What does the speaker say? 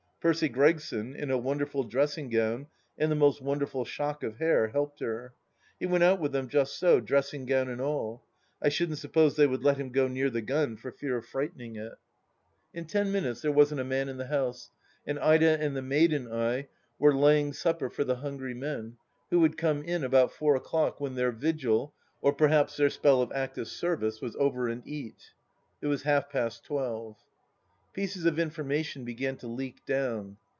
Percy Gregson, ina wonderful dressing gown and the most wonder ful shock of hair, helped her. He went out with them just so, dressing gown and all. I shouldn't suppose they would let him go near the gun for fear of frightening it 1 THE LAST DITCH 211 In ten minutes there wasn't a man in the house, and Ida and the maid and I were laying supper for the hungry men, who would come in about four o'clock when their vigil, or perhaps their spell of active service, was over and eat. It was half past twelve. Pieces of information began to leak down.